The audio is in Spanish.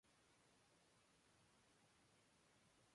Juan Gabriel con Banda...